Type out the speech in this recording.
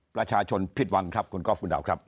ประชาชนผิดหวังครับคุณก๊อฟคุณดาวครับ